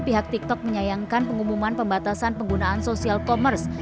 pihak tiktok menyayangkan pengumuman pembatasan penggunaan sosial commerce